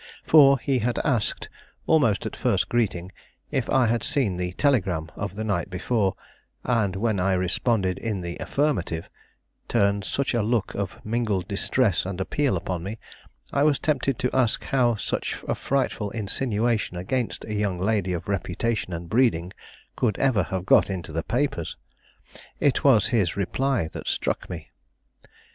For he had asked, almost at first greeting, if I had seen the Telegram of the night before; and when I responded in the affirmative, turned such a look of mingled distress and appeal upon me, I was tempted to ask how such a frightful insinuation against a young lady of reputation and breeding could ever have got into the papers. It was his reply that struck me.